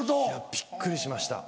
びっくりしました。